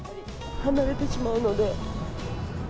離れてしまうので。